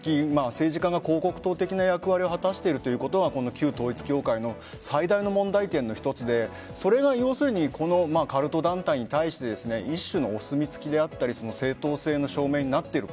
政治家が広告塔的な役割を果たしているということは旧統一教会の最大の問題点の一つでそれは要するにカルト団体に対して一種のお墨付きであったり正当性の証明になっている。